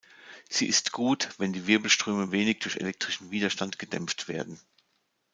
Sie ist gut, wenn die Wirbelströme wenig durch elektrischen Widerstand gedämpft werden.